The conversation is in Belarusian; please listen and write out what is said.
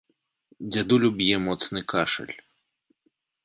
Дзядулю б'е моцны кашаль.